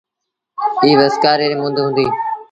ايٚ وسڪآري ريٚ مند هُݩديٚ۔